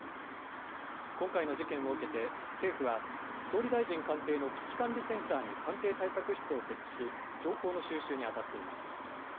今回の事件を受けて政府は総理大臣官邸の危機管理センターに官邸対策室を設置し情報の収集にあたっています。